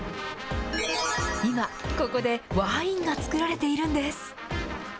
今、ここでワインが造られているんです。